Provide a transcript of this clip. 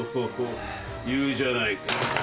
言うじゃないか。